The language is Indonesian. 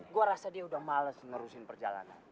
gue rasa dia udah males ngerusin perjalanan